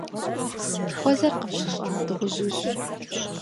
- Хуэзэр къыпщыщӏа, дыгъужьыжь!